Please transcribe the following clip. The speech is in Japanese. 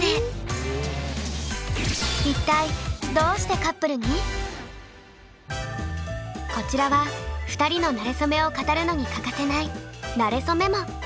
一体こちらは２人のなれそめを語るのに欠かせない「なれそメモ」。